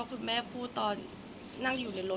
แต่ขวัญไม่สามารถสวมเขาให้แม่ขวัญได้